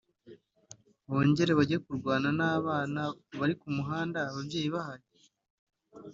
bongere bajye kurwana n’abana bari ku mihanda ababyeyi bahari